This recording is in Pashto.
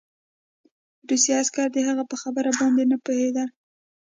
روسي عسکر د هغه په خبره باندې نه پوهېدل